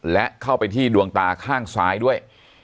และเข้าไปที่ดวงตาข้างซ้ายด้วย